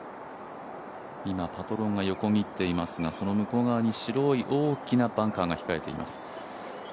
今、パトロンが横切っていますが、その向こう側に白い大きなバンカーが控えています。